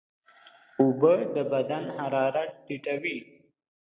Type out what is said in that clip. اوبه د بدن حرارت ټیټوي.